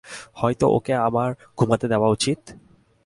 হয়তো ওকে আমার ঘুমাতে দেওয়া উচিত?